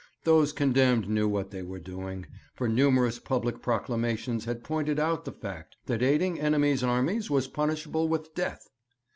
Those condemned knew what they were doing, for numerous public proclamations had pointed out the fact that aiding enemies' armies was punishable with death.